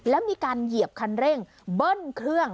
แล้วมีการเหยียบคันเร่งเบิ้ลเครื่อง